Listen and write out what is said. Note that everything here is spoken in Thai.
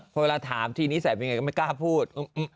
พอเวลาถามทีนี้ใส่เป็นไงก็ไม่กล้าพูด